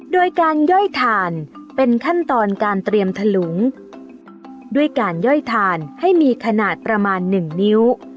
โดยการย่อยถ่านเป็นขั้นตอนการเตรียมถลุงด้วยการย่อยถ่านให้มีขนาดประมาณหนึ่งนิ้ว